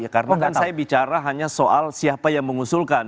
karena kan saya bicara hanya soal siapa yang mengusulkan